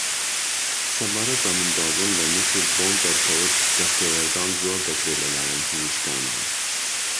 سەبارەت بە منداڵبوون لە میسر بۆم دەرکەوت دەستێوەردان زۆر دەکرێ لە لایەن پزیشکانەوە